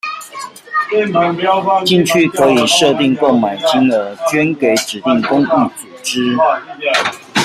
進去可以設定購買金額捐給指定公益組織